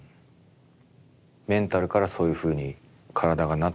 メンタルからそういうふうに体がなってしまうっていう。